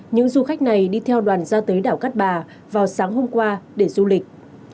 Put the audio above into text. những du khách này đi theo đoàn ra tới đảo cát bà vào sáng hôm qua để du lịch